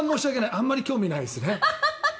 あんまり興味ないですね。